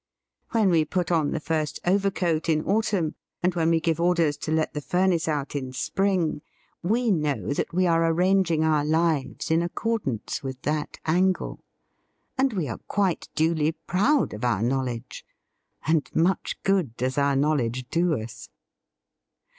When we put on the first overcoat in autumn, and when we give orders to let the furnace out in spring, we know that we are arranging our lives in ac THE FEAST OF ST FRIEND cordance with that angle. And we are quite duly proud of our knowledge. And much good does our knowledge do us!